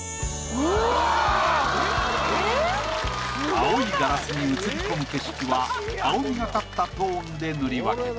青いガラスに映り込む景色は青みがかったトーンで塗り分けた。